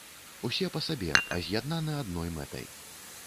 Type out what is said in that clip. Усе па сабе, а з'яднаны адной мэтай.